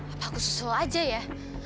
apa aku susul aja ya